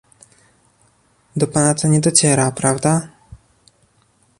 Do pana to nie dociera, prawda?